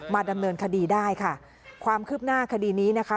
ดำเนินคดีได้ค่ะความคืบหน้าคดีนี้นะคะ